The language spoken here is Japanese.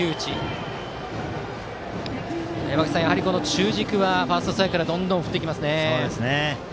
中軸はファーストストライクからどんどん振ってきますね。